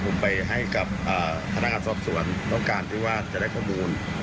ใช่ฮะผมไปให้กับอ่าธนาคตสอบส่วนต้องการที่ว่าจะได้ข้อมูล